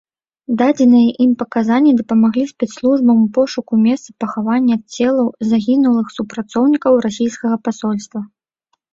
Дадзеныя ім паказанні дапамаглі спецслужбам ў пошуку месца пахавання целаў загінулых супрацоўнікаў расійскага пасольства.